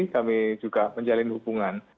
kami juga menjalin hubungan